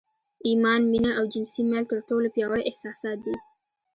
ايمان، مينه او جنسي ميل تر ټولو پياوړي احساسات دي.